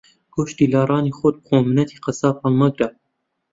گۆشتی لاڕانی خۆت بخۆ مننەتی قەساب ھەڵمەگرە